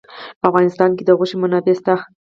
په افغانستان کې د غوښې منابع شته.